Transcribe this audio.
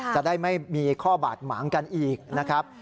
จะได้ไม่มีข้อบาดหมางกันอีกนะครับ